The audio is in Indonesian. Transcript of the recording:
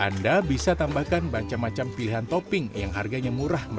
anda bisa tambahkan macam macam pilihan topping yang harganya murah